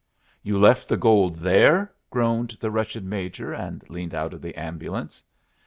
"You left the gold there!" groaned the wretched Major, and leaned out of the ambulance.